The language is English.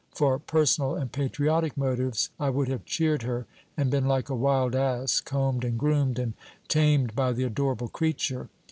For personal and patriotic motives, I would have cheered her and been like a wild ass combed and groomed and tamed by the adorable creature.